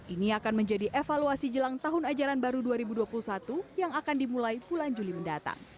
ini akan menjadi evaluasi jelang tahun ajaran baru dua ribu dua puluh satu yang akan dimulai bulan juli mendatang